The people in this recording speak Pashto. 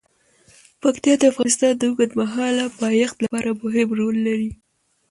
پکتیا د افغانستان د اوږدمهاله پایښت لپاره مهم رول لري.